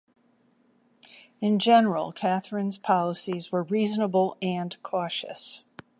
In general, Catherine's policies were reasonable and cautious.